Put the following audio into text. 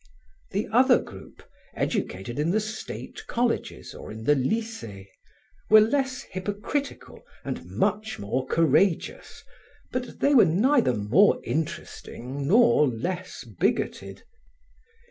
The other group, educated in the state colleges or in the lycees, were less hypocritical and much more courageous, but they were neither more interesting nor less bigoted.